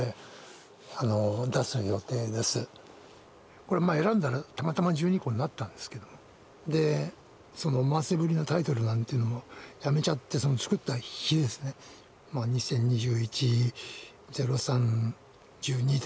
これまあ選んだらたまたま１２個になったんですけどでその思わせぶりなタイトルなんていうのをやめちゃって作った日ですね２０２１０３１２とかですね